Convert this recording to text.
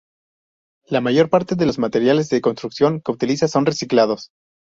La mayor parte de los materiales de construcción que utiliza son reciclados.